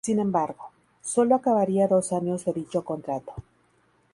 Sin embargo, sólo acabaría dos años de dicho contrato.